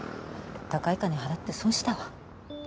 高い金払って損したわ。